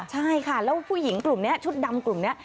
ใช่ค่ะแล้วผู้หญิงกลุ่มนี้ชุดดำกลุ่มนี้